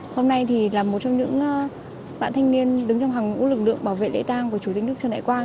hôm nay thì là một trong những bạn thanh niên đứng trong hàng ngũ lực lượng bảo vệ lễ tang của chủ tịch nước trần đại quang